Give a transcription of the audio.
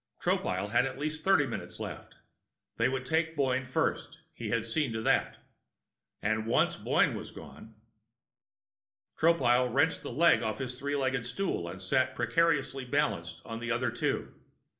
Tropile had at least thirty minutes left. They would take Boyne first; he had seen to that. And once Boyne was gone Tropile wrenched a leg off his three legged stool and sat precariously balanced on the other two.